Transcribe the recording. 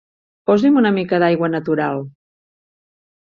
Posi'm una mica d'aigua natural.